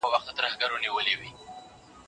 د باور رایه څه ده؟